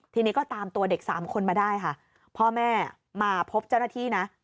ทีนี้ก็ตามตัวเด็กสามคนมาได้ค่ะพ่อแม่มาพบเจ้าหน้าที่นะ